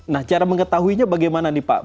nah cara mengetahuinya bagaimana nih pak